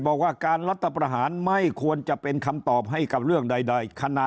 บอกว่าการรัฐประหารไม่ควรจะเป็นคำตอบให้กับเรื่องใด